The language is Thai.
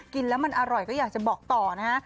กินแล้วมันอร่อยก็อยากจะบอกต่อนะฮะ